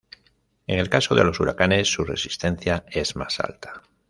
En el caso de los huracanes, su resistencia es más alta.